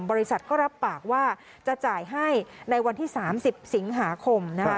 บริษัทก็รับปากว่าจะจ่ายให้ในวันที่๓๐สิงหาคมนะคะ